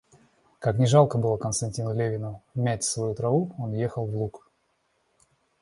Как ни жалко было Константину Левину мять свою траву, он въехал в луг.